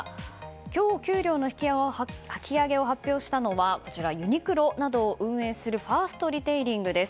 今日、給料の引き上げを発表したのはユニクロなどを運営しているファーストリテイリングです。